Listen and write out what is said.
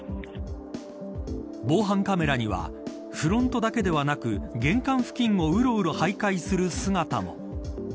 防犯カメラにはフロントだけではなく玄関付近をうろうろ徘徊する姿も。